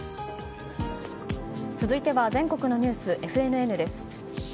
続いては全国のニュースＦＮＮです。